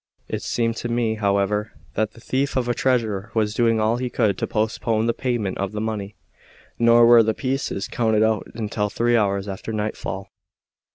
It seemed to me, however, that that thief of a treasurer was doing all he could to postpone the payment of the money; nor were the pieces counted out until three hours after nightfall.